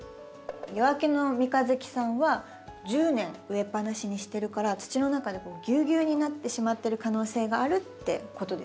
夜明けの三日月さんは１０年植えっぱなしにしてるから土の中でぎゅうぎゅうになってしまってる可能性があるってことですね。